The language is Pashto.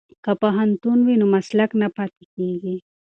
که پوهنتون وي نو مسلک نه پاتیږي.